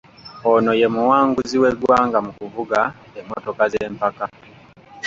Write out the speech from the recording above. Ono ye muwanguzi w’eggwanga mu kuvuga emmotoka z’empaka ?